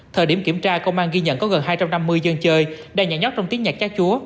thời điểm kiểm tra công an ghi nhận có gần hai trăm năm mươi dân chơi đàn nhạc nhóc trong tiếng nhạc chá chúa